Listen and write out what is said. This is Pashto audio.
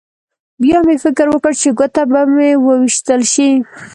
بیا مې فکر وکړ چې ګوته به مې وویشتل شي